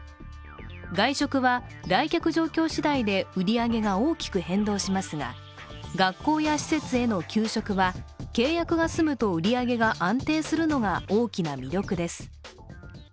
外食は来客状況しだいで売り上げが大きく変動しますが、学校や施設への給食は契約が済むと売り上げが安定するのが大きな魅力です。